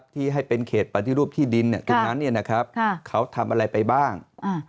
ที่ให้เป็นเขตปฏิรูปที่ดินตรงนั้นเขาทำอะไรไปบ้าง